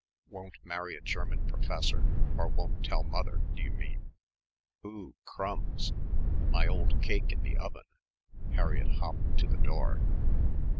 "Won't marry a German professor, or won't tell mother, do you mean?... Oo Crumbs! My old cake in the oven!" Harriett hopped to the door.